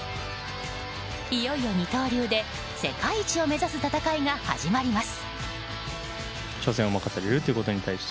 いよいよ二刀流で世界一を目指す戦いが始まります。